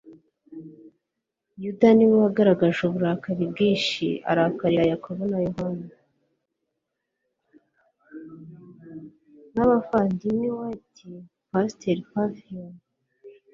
n'abavandimwe wright, pasteur, pavlov